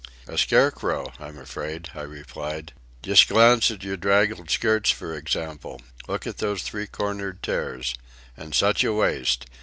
"A scarecrow, I'm afraid," I replied. "Just glance at your draggled skirts, for instance. Look at those three cornered tears. And such a waist!